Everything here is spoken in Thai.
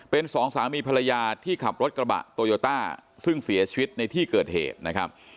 เป็นสองสามีภรรยาที่ขับรถกระบะโตโยต้าซึ่งเสียชีวิตในที่เกิดเหตุนะครับ